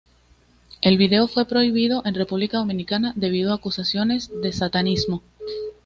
El video fue prohibido en República Dominicana debido a acusaciones de satanismo.